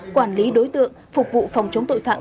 quản lý đối tượng phục vụ phòng chống tội phạm